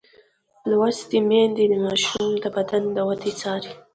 لوستې میندې د ماشوم د بدن د وده څاري.